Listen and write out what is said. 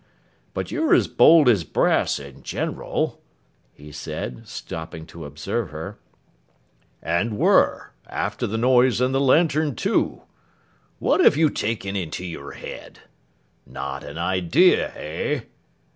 But you're as bold as brass in general,' he said, stopping to observe her; 'and were, after the noise and the lantern too. What have you taken into your head? Not an idea, eh?